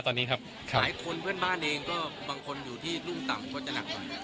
ตอนนี้ครับหลายคนเพื่อนบ้านเองก็บางคนอยู่ที่รุ่มต่ำก็จะหนักกว่า